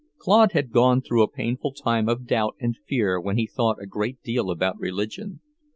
Claude had gone through a painful time of doubt and fear when he thought a great deal about religion.